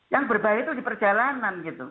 yang berbahaya itu di perjalanan gitu